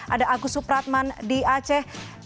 ada agus supratman di aceh